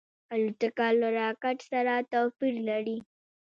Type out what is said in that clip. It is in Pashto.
الوتکه له راکټ سره توپیر لري.